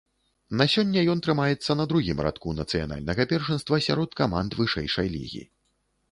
На сёння ён трымаецца на другім радку нацыянальнага першынства сярод каманд вышэйшай лігі.